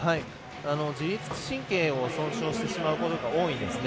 自律神経を損傷してしまうことが多いんですね。